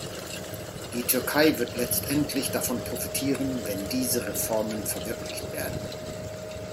Die Türkei wird letztendlich davon profitieren, wenn diese Reformen verwirklicht werden.